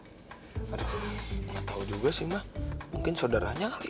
eee ck aduh enggak tau juga sih ma mungkin saudaranya kali